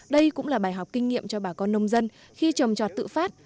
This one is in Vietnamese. đây cũng là bài học kinh nghiệm cho bà con nông dân khi trồng trọt tự phát